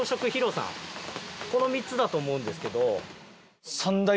この３つだと思うんですけど。